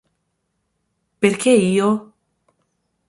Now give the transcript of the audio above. Perché io?